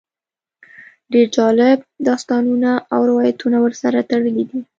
ډېر جالب داستانونه او روایتونه ورسره تړلي دي.